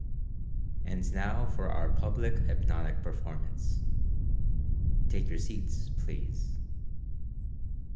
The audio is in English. And now for our public hypnotic performance. Take your seats, please.